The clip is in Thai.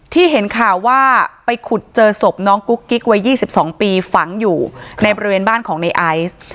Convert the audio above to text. เห็นข่าวว่าไปขุดเจอศพน้องกุ๊กกิ๊กวัย๒๒ปีฝังอยู่ในบริเวณบ้านของในไอซ์